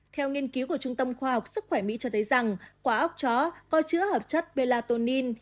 theo nghiên cứu của trung tâm khoa học sức khỏe mỹ cho thấy rằng quả ốc chó có chứa hợp chất pelatonin